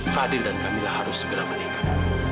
fadil dan kamila harus segera menikah